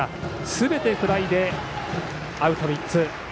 すべてフライでアウト３つ。